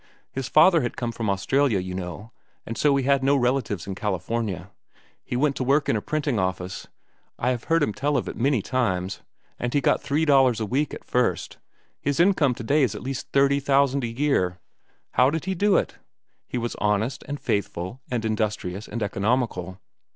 His father had come from Australia, you know, and so he had no relatives in California. He went to work in a printing office,—I have heard him tell of it many times,—and he got three dollars a week, at first. His income to day is at least thirty thousand a year. How did he do it? He was honest, and faithful, and industrious, and economical.